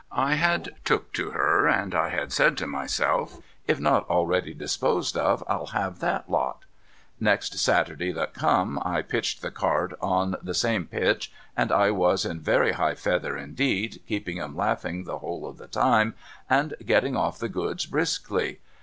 I had took to her, and I had said to myself, ' U not already disposed of, I'll have that lot.' Next Saturday that come, I pitched the cart on the same pitch, and I was in very high feather indeed, keeping 'em laughing the whole of the time, and getting off the goods briskly.